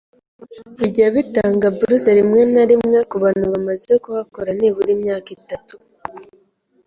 bijya bitanga bourses rimwe na rimwe, ku bantu bamaze kuhakora nibura imyaka itatu